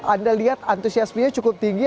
anda lihat antusiasmenya cukup tinggi